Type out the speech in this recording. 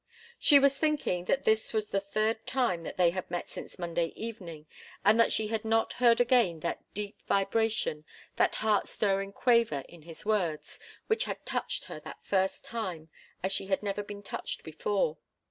She was thinking that this was the third time they had met since Monday evening, and that she had not heard again that deep vibration, that heart stirring quaver, in his words, which had touched her that first time as she had never been touched before.